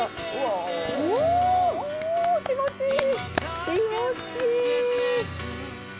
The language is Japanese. おお気持ちいい！